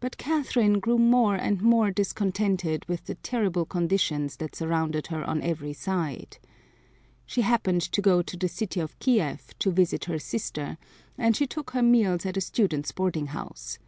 But Catherine grew more and more discontented with the terrible conditions that surrounded her on every side. She happened to go to the city of Kiev to visit her sister and she took her meals at a student's boarding house.